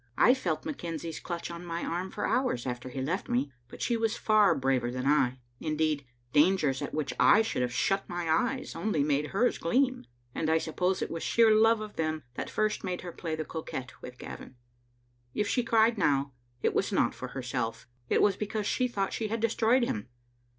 I felt McKenzie's clutch on my arm for hours after he left me, but she was far braver than I ; indeed, dangers at which I should have shut my eyes only made hers gleam, and I suppose it was sheer love of them that first made her play the coquette with Gavin. If she cried now, it was not for herself ; it was because she thought she had destroyed him.